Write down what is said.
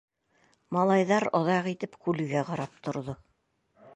Малайҙар оҙаҡ итеп күлгә ҡарап торҙо.